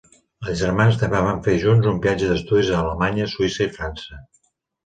Els germans també van fer junts un viatge d'estudis a Alemanya, Suïssa i França.